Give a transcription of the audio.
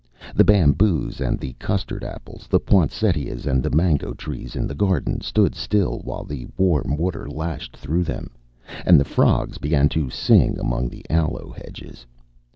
The bamboos and the custard apples, the poinsettias and the mango trees in the garden stood still while the warm water lashed through them, and the frogs began to sing among the aloe hedges.